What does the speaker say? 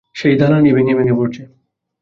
সেই দালানই ভেঙে ভেঙে পড়ছে।